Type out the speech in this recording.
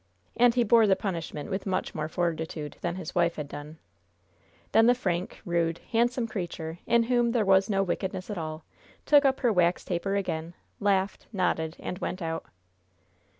And he bore the punishment with much more fortitude than his wife had done. Then the frank, rude, handsome creature, in whom there was no wickedness at all, took up her wax taper again, laughed, nodded and went out.